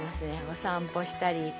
お散歩したり。